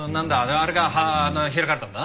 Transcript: あれがあの開かれたんだな？